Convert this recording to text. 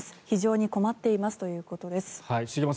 非常に困っていますということです。